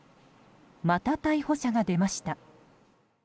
また逮捕者が出ました。